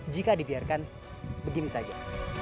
jika dibiarkan begini saja